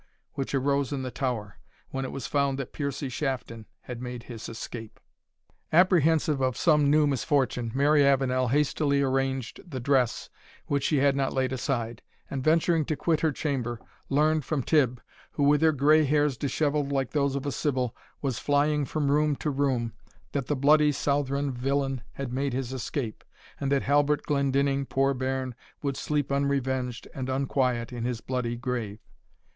which arose in the tower, when it was found that Piercie Shafton had made his escape. Apprehensive of some new misfortune, Mary Avenel hastily arranged the dress which she had not laid aside, and, venturing to quit her chamber, learned from Tibb, who, with her gray hairs dishevelled like those of a sibyl, was flying from room to room, that the bloody Southron villain had made his escape, and that Halbert Glendinning, poor bairn, would sleep unrevenged and unquiet in his bloody grave.